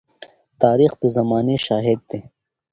تاریخ د زمانې شاهد دی.